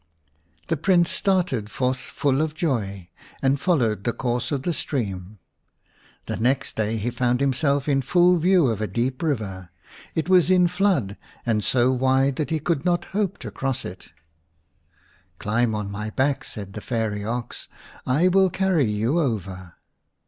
The Prince started forth full of joy, and followed the course of the stream. The next day he found himself in full view of a deep river; it was in flood, and so wide that he could . not hope to cross it. >^" Climb on my back," said the fairy ox ; "I will carry you over."